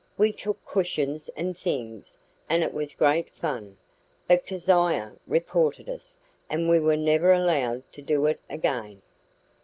We took cushions and things, and it was great fun; but Keziah reported us, and we were never allowed to do it again."